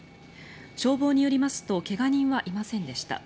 消防によりますと怪我人はいませんでした。